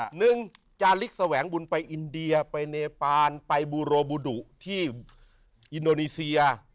หนึ่งจาลิกแสวงบุญไปอินเดียไปเนปานไปบูโรบูดุที่อินโดนีเซีย